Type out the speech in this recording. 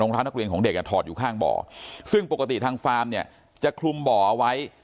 ร้านนักเรียนของเด็กอ่ะถอดอยู่ข้างบ่อซึ่งปกติทางฟาร์มเนี่ยจะคลุมบ่อเอาไว้